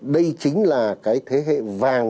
đây chính là cái thế hệ vàng